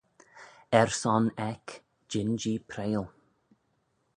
Er son eck jean-jee prayal.